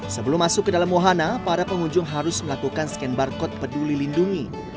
sebelum masuk ke dalam wahana para pengunjung harus melakukan scan barcode peduli lindungi